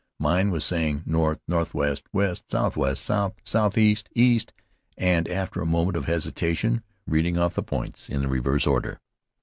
Mine was saying North northwest west southwest south southeast east and after a moment of hesitation reading off the points in the reverse order.